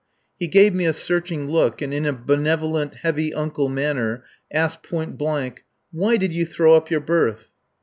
He gave me a searching look, and in a benevolent, heavy uncle manner asked point blank: "Why did you throw up your berth?"